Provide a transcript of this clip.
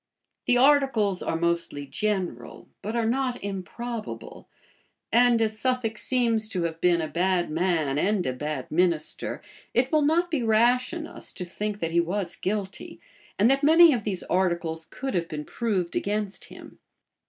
[*] The articles are mostly general, but are not improbable; and as Suffolk seems to have been a bad man and a bad minister, it will not be rash in us to think that he was guilty, and that many of these articles could have been proved against him.